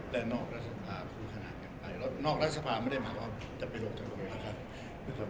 และนอกรัฐสภาพูดขนาดกันไปนอกรัฐสภาไม่ได้หมายความว่าจะไปโรคธรรมนะครับ